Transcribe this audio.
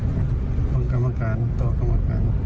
บางกรรมการต่อกรรมการ